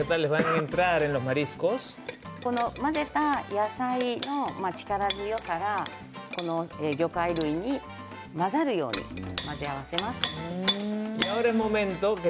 混ぜた野菜の力強さが魚介類に混ざるように混ぜ合わせます。